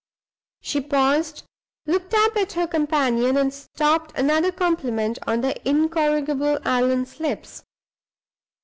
She paused, looked up at her companion, and stopped another compliment on the incorrigible Allan's lips.